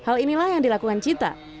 hal inilah yang dilakukan cita